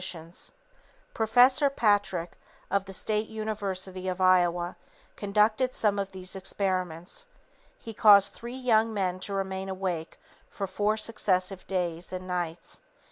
[Sidenote: Professor Patrick's Experiments] Professor Patrick, of the State University of Iowa, conducted some of these experiments. He caused three young men to remain awake for four successive days and nights.